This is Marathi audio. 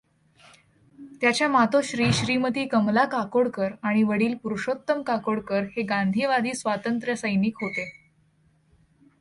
त्याच्या मातोश्री श्रीमती कमला काकोडकर आणि वडील पुरुषोत्तम काकोडकर हे गांधीवादी स्वातंत्र्यसैनिक होते.